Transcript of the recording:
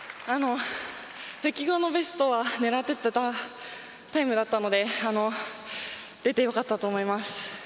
復帰後のベストは狙っていたタイムだったので出てよかったと思います。